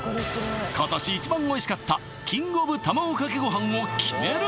今年１番おいしかったキングオブ卵かけごはんを決める